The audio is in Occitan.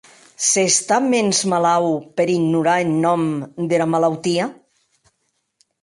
S’està mens malaut per ignorar eth nòm dera malautia?